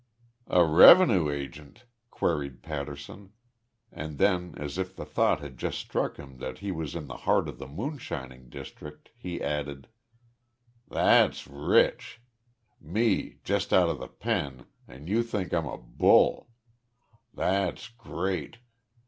"A rev'nue agent?" queried Patterson, and then as if the thought had just struck him that he was in the heart of the moonshining district, he added: "That's rich! Me, just out of th' pen an' you think I'm a bull. That's great.